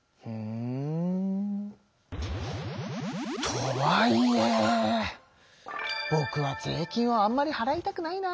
とはいえぼくは税金をあんまりはらいたくないなあ。